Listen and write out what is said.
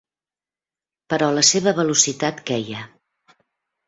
Però la seva velocitat queia.